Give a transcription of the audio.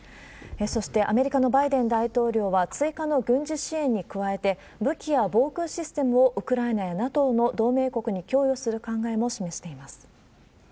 そしてアメリカのバイデン大統領は、追加の軍事支援に加えて、武器や防空システムをウクライナやＮＡＴＯの同盟国に供与する考えも示しています。